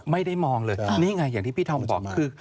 ไม่ได้มองเลยนี่ไงอย่างที่พี่ธอมบอกคือ